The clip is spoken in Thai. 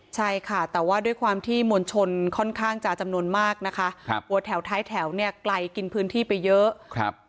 ใช่ค่ะแต่ว่าด้วยความที่มวลชนค่อนข้างจะจำนวนมากนะคะ